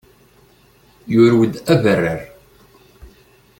Yurew-d abarrar.